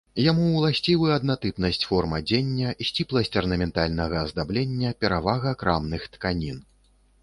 Яму ўласцівы аднатыпнасць форм адзення, сціпласць арнаментальнага аздаблення, перавага крамных тканін.